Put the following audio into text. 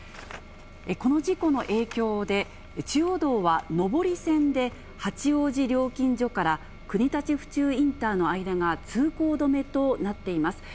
この事故の影響で、中央道は上り線で八王子料金所から、国立府中インターの間が通行止めとなっています。